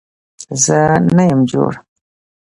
زه نه يم جوړ